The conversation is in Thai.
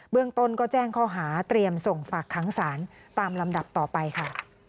เรื่องต้นก็แจ้งข้อหาเตรียมส่งฝากค้างศาลตามลำดับต่อไปค่ะ